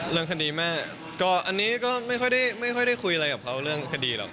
เรื่องคดีแม่ก็อันนี้ก็ไม่ค่อยได้คุยอะไรกับเขาเรื่องคดีหรอก